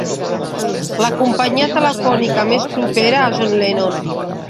La companyia telefònica més propera a John Lennon.